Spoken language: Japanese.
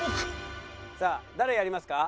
さあ誰やりますか？